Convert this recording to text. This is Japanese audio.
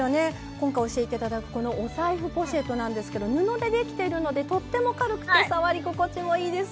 今回教えて頂くこのお財布ポシェットなんですけど布で出来てるのでとっても軽くて触り心地もいいです。